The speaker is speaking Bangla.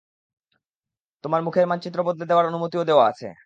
তোমার মুখের মানচিত্র বদলে দেওয়ার অনুমতিও দেওয়া আছে!